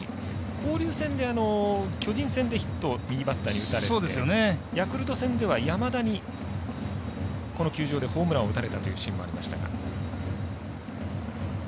交流戦で、巨人戦でヒットを右バッターに打たれてヤクルト戦では、山田にこの球場でホームランを打たれたというシーンもありましたが。